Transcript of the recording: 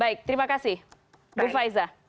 baik terima kasih bu faiza